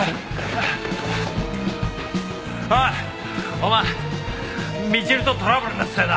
お前みちるとトラブルになってたよな？